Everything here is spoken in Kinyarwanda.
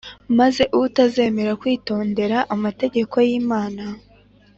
Maze utazemera kwitondera amategeko y Imana